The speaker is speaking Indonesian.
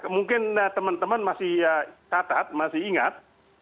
mungkin teman teman masih ingat